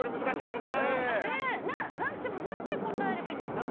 でも何て答えればいいんですか。